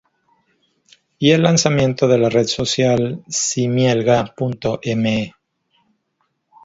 Y el lanzamiento de la red social Ximielga.me